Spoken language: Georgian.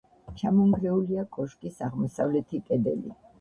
ჩამონგრეულია კოშკის აღმოსავლეთი კედელი.